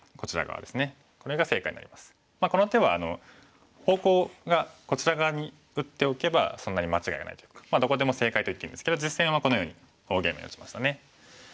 この手は方向がこちら側に打っておけばそんなに間違いがないというかどこでも正解といっていいんですけど実戦はこのように大ゲイマに打ちましたね。